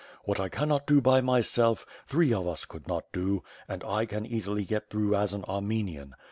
What T cannot do by myself, three of us could not do, and I can easily get through as as an Armenian.